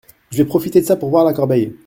Je vais profiter de ça pour voir la corbeille…